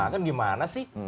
kan gimana sih